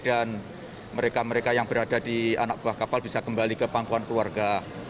mereka mereka yang berada di anak buah kapal bisa kembali ke pangkuan keluarga